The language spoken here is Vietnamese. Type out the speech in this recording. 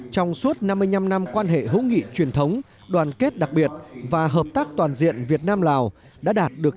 trong suốt năm mươi năm năm quan hệ hữu nghị truyền thống đoàn kết đặc biệt và hợp tác toàn diện việt nam lào